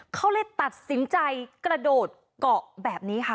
เขาเลยตัดสินใจกระโดดเกาะแบบนี้ค่ะ